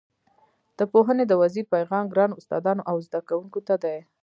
د پوهنې د وزیر پیغام ګرانو استادانو او زده کوونکو ته دی.